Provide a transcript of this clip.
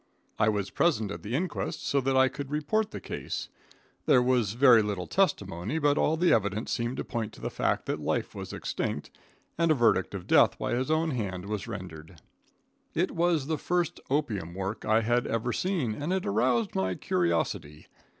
I was present at the inquest, so that I could report the case. There was very little testimony, but all the evidence seemed to point to the fact that life was extinct, and a verdict of death by his own hand was rendered. It was the first opium work I had ever seen, and it aroused my curiosity.